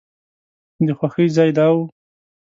د خوښۍ ځای دا و.